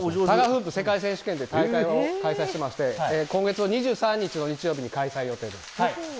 タガフープ世界選手権で開催してまして、今月の２３日の日曜日に開催予定です。